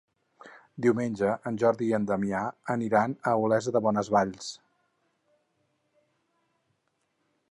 Diumenge en Jordi i en Damià aniran a Olesa de Bonesvalls.